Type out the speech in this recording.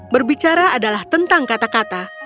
berbicara adalah tentang kata kata